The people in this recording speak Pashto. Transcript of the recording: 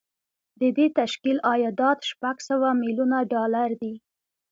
د دې تشکیل عایدات شپږ سوه میلیونه ډالر دي